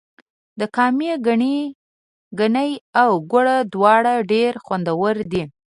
د کامې ګني او ګوړه دواړه ډیر خوندور دي.